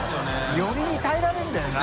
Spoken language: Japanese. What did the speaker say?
寄りに耐えられるんだよな。